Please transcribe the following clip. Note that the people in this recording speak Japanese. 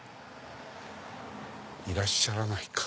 いらっしゃらないか。